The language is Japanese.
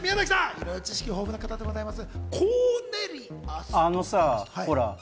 宮崎さん、知識豊富な方でございます。